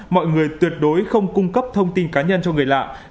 mọi người tuyệt đối không cung cấp thông tin cá nhân cho người lạ